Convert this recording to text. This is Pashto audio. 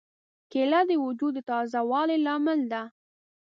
کېله د وجود د تازه والي لامل ده.